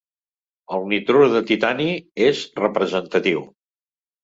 El nitrur de titani és representatiu.